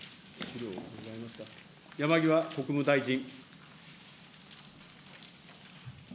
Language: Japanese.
山際国務大臣。